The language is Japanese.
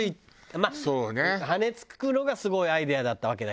まあ羽根つくのがすごいアイデアだったわけだけどさ。